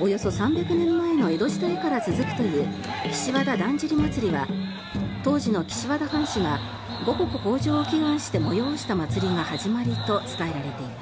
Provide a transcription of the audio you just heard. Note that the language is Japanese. およそ３００年前の江戸時代から続くという岸和田だんじり祭は当時の岸和田藩主が五穀豊穣を祈願して催した祭りが始まりと伝えられています。